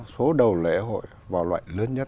số đầu lễ hội vào loại lớn nhất